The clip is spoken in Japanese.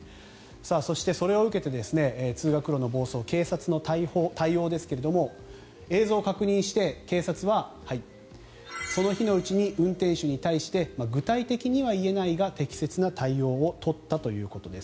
そして、それを受けて通学路の暴走警察の対応ですが映像を確認して警察はその日のうちに運転手に対して具体的には言えないが適切な対応を取ったということです。